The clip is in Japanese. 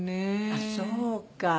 ああそうか。